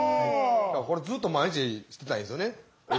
これずっと毎日してたらいいんですよね。